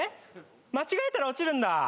間違えたら落ちるんだ？